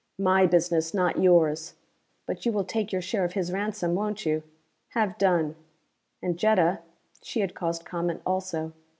"My business, not yours. But you will take your share of his ransom, won't you? Have done!" And Jetta, she had caused comment also.